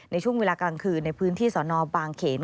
ในช่วงเวลากลางคืนในพื้นที่สนบางเขน